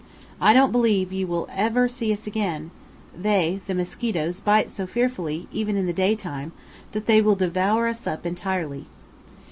I don't believe you will ever see us again; they (the mosquitoes) bite so fearfully, even in the day time, that they will devour us up entirely.